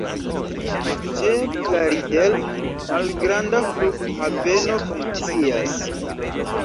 Ĉe Plaridel malgranda flughaveno funkcias.